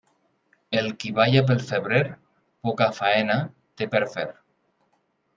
El qui balla pel febrer, poca faena té per fer.